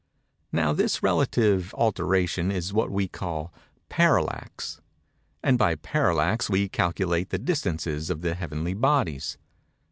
Now this relative alteration is what we call "parallax;" and by parallax we calculate the distances of the heavenly bodies.